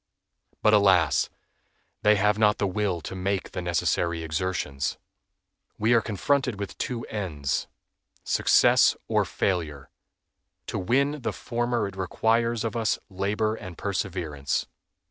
But, alas! they have not the will to make the necessary exertions. We are confronted with two ends—success or failure. To win the former it requires of us labor and perseverance.